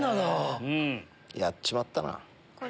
やっちまったな。